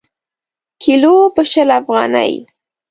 کیلـو په شل افغانۍ.